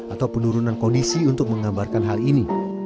atau penurunan kondisi untuk menggambarkan hal ini